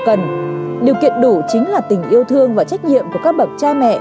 cần điều kiện đủ chính là tình yêu thương và trách nhiệm của các bậc cha mẹ